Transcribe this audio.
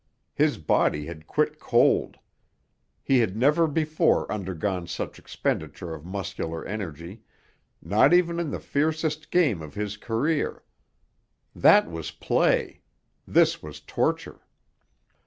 His body had quit cold. He had never before undergone such expenditure of muscular energy, not even in the fiercest game of his career. That was play; this was torture.